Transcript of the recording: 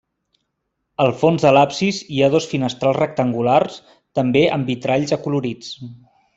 Al fons de l'absis hi ha dos finestrals rectangulars, també amb vitralls acolorits.